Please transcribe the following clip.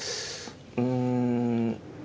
うん。